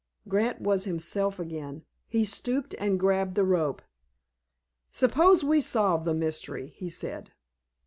Grant was himself again. He stooped and grabbed the rope. "Suppose we solve the mystery," he said.